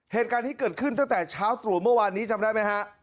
เหตุการณ์นี้เกิดขึ้นตั้งแต่เช้าตรู่เมื่อวานนี้จำได้ไหมฮะ